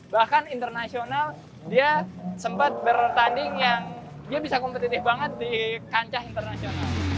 bahkan internasional dia sempat bertanding yang dia bisa kompetitif banget di kancah internasional